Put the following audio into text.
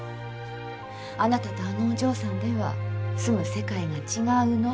あなたとあのお嬢さんでは住む世界が違うの。